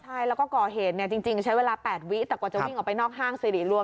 ใช่แล้วก็ก่อเหตุเนี่ยจริงใช้เวลา๘วิแต่กว่าจะวิ่งออกไปนอกห้างสิริรวม